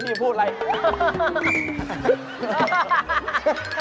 มองใครอ่ะ